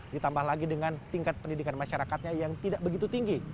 ditambah lagi dengan tingkat pendidikan masyarakatnya yang tidak begitu tinggi